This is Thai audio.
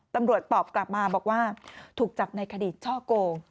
ตำรวจตอบกลับมาบอกว่าถูกจับในคดีช่อโกง